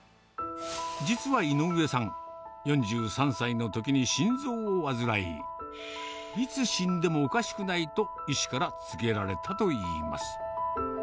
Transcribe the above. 実は井上さん、４３歳のときに心臓を患い、いつ死んでもおかしくないと、医師から告げられたといいます。